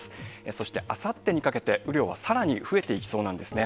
そしてあさってにかけて、雨量はさらに増えていきそうなんですね。